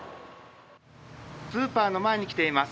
スーパーの前に来ています。